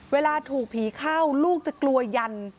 เวลาถูกผีเข้าลูกจะกลัวยัน